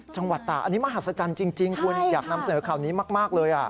จังหวัดตากอันนี้มหัศจรรย์จริงคุณอยากนำเสนอข่าวนี้มากเลย